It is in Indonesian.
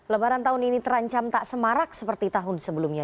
lebaran tahun ini terancam tak semarak seperti tahun sebelumnya